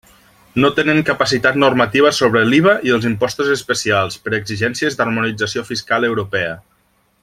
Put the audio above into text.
No tenen capacitat normativa sobre l'IVA i els impostos especials, per exigències d'harmonització fiscal europea.